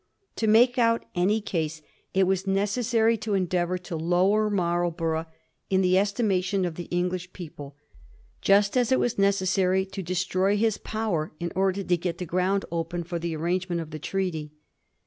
To make out any case it waa necessary to endeavour to lower Marlborough in the estimation of the English people, just as it was necessary to destroy his power in order to get the groimd open for the arrangement of the Treaty.